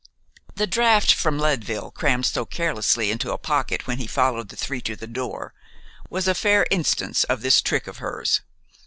The draft from Leadville, crammed so carelessly into a pocket when he followed the three to the door, was a fair instance of this trick of hers.